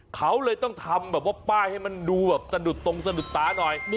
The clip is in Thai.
เขาเลยต้องทำแบบว่าป้ายให้มันดูแบบสะดุดตรงสะดุดตาหน่อย